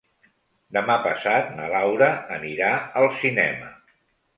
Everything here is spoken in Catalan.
Demà passat na Laura anirà al cinema.